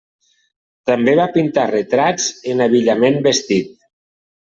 També va pintar retrats en abillament vestit.